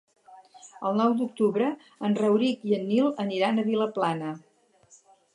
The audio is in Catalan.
El nou d'octubre en Rauric i en Nil aniran a Vilaplana.